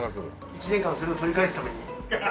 １年間それを取り返すために。